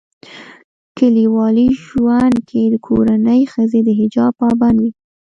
کلیوالي ژوندکي دکورنۍښځي دحجاب پابند وي